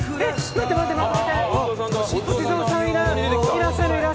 待って待って待って。